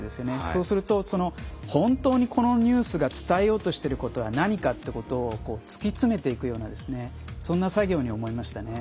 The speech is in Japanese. そうすると本当にこのニュースが伝えようとしてることは何かってことを突き詰めていくようなそんな作業に思いましたね。